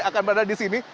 akan berada disini